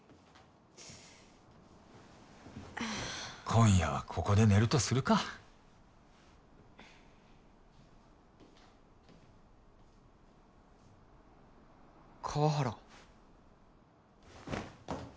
今夜はここで寝るとするか川原？